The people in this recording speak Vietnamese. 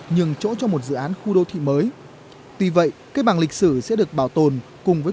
nhường chỗ cho một dự án khu đô thị mới tuy vậy cây bằng lịch sử sẽ được bảo tồn cùng với